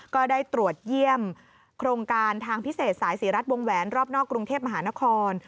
ก็ได้ตรวจเยี่ยมโครงการทางพิเศษสายศรีรัฐวงแหวนรอบนอกกรุงเทพมหานคร